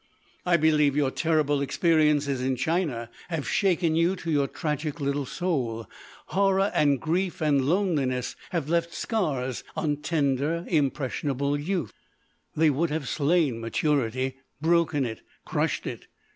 "I believe your terrible experiences in China have shaken you to your tragic little soul. Horror and grief and loneliness have left scars on tender, impressionable youth. They would have slain maturity—broken it, crushed it.